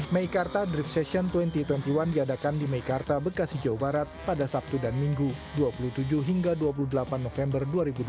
meikarta drift session dua ribu dua puluh satu diadakan di meikarta bekasi jawa barat pada sabtu dan minggu dua puluh tujuh hingga dua puluh delapan november dua ribu dua puluh